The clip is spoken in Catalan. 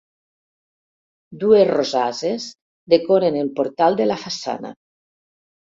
Dues rosasses decoren el portal de la façana.